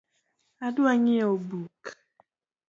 Adwa ng’iewo buk